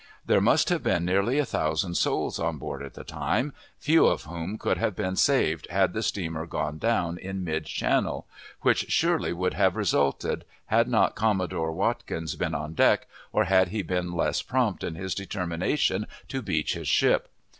There must have been nearly a thousand souls on board at the time, few of whom could have been saved had the steamer gone down in mid channel, which surely would have resulted, had not Commodore Watkins been on deck, or had he been less prompt in his determination to beach his ship.